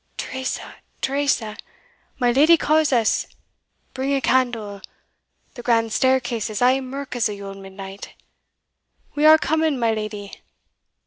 Teresa Teresa my lady calls us! Bring a candle; the grand staircase is as mirk as a Yule midnight We are coming, my lady!"